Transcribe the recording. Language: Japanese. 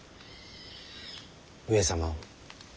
上様を。